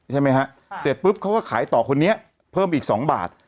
ใช่ไหมฮะเสร็จปุ๊บเขาก็ขายต่อคนนี้เพิ่มอีก๒บาท